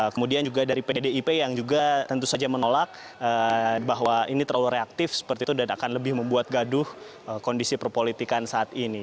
kemudian juga dari pdip yang juga tentu saja menolak bahwa ini terlalu reaktif seperti itu dan akan lebih membuat gaduh kondisi perpolitikan saat ini